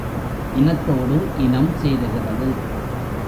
இனத்தோடு இனம் சேருகிறது.